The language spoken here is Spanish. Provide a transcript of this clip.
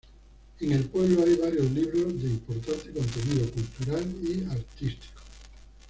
En el pueblo hay varios libros de importante contenido cultural y artístico.